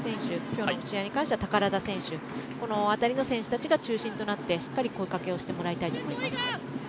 今日の試合に関しては宝田選手このあたりの選手たちが中心となって、しっかりと声かけをしてもらいたいと思います。